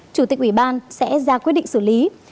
chủ tịch ủy ban sẽ ra quyết định xử lý